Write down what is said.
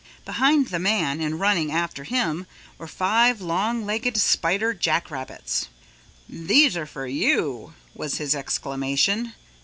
Behind the man and running after him were five long legged spider jack rabbits. "These are for you," was his exclamation.